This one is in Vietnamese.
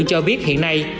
cho biết hiện nay